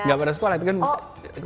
gak pada sekolah